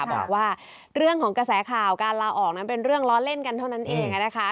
บอกว่าเรื่องของกระแสข่าวการลาออกนั้นเป็นเรื่องล้อเล่นกันเท่านั้นเอง